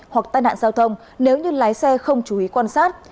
hoặc tai nạn giao thông nếu như lái xe không chú ý quan sát